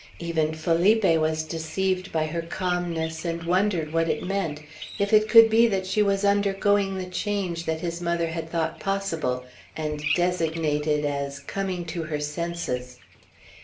Even Felipe was deceived by her calmness, and wondered what it meant, if it could be that she was undergoing the change that his mother had thought possible, and designated as coming "to her senses."